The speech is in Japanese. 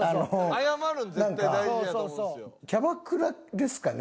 謝るん絶対大事やと思うんですよ。